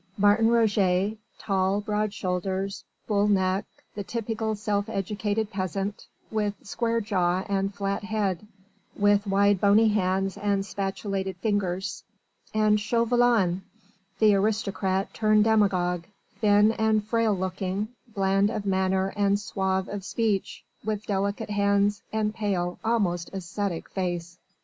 Martin Roget, tall, broad shouldered, bull necked, the typical self educated peasant, with square jaw and flat head, with wide bony hands and spatulated fingers: and Chauvelin the aristocrat turned demagogue, thin and frail looking, bland of manner and suave of speech, with delicate hands and pale, almost ascetic face.